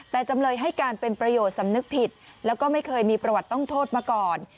แต่จำเลยให้การเป็นประโยชน์สำนึกผิดแล้วก็ไม่เคยมีประวัติต้องโทษมาก่อน